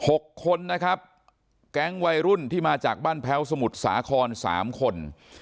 หกคนนะครับแก๊งวัยรุ่นที่มาจากบ้านแพ้วสมุทรสาครสามคน